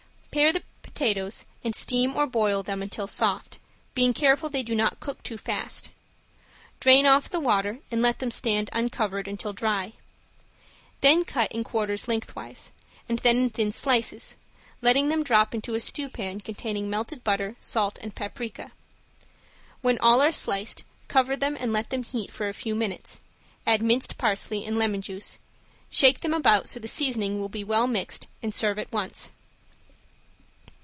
Pare the potatoes and steam or boil them until soft, being careful they do not cook too fast. Drain off the water and let them stand uncovered until dry. Then cut in quarters lengthwise, and then in thin slices, letting them drop into a stewpan containing melted butter, salt and paprika. When all are sliced cover them and let them heat for a few minutes, add minced parsley and lemon Juice, shake them about so the seasoning will be well mixed and serve at once.